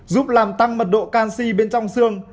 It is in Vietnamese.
giúp làm tăng mật độ canxi bên trong xương